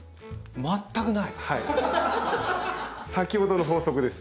先ほどの法則です。